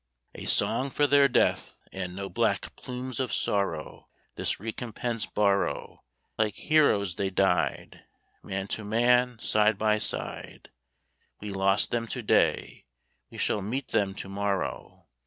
A song for their death, and No black plumes of sorrow, This recompense borrow, Like heroes they died Man to man side by side; We lost them to day, we shall meet them to morrow.